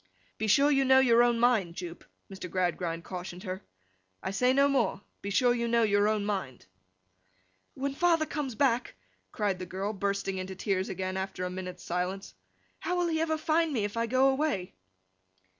'Be sure you know your own mind, Jupe,' Mr. Gradgrind cautioned her; 'I say no more. Be sure you know your own mind!' 'When father comes back,' cried the girl, bursting into tears again after a minute's silence, 'how will he ever find me if I go away!